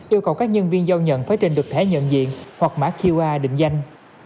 yêu cầu các nhân viên giao nhận phải trình được thẻ nhận diện hoặc mã qr định danh